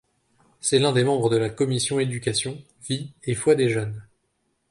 C'est l'un des membres de la commission éducation, vie et foi des jeunes.